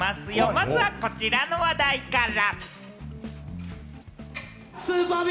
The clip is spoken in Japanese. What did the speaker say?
まずはこちらの話題から。